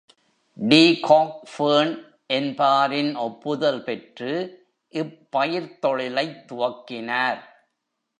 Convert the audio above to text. D Cockburn என்பாரின் ஒப்புதல் பெற்று, இப்பயிர்த்தொழிலைத் துவக்கினார்.